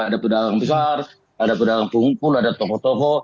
ada pedagang besar ada pedagang pengumpul ada toko toko